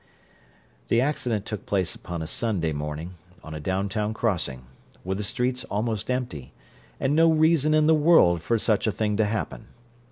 The accident took place upon a Sunday morning, on a downtown crossing, with the streets almost empty, and no reason in the world for such a thing to happen.